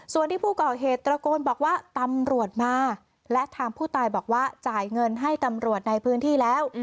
ส่วนที่ผู้ก่อเหตุตระโกนบอกว่าตำรวจมาและทางผู้ตายบอกว่าจ่ายเงินให้ตำรวจในพื้นที่แล้ว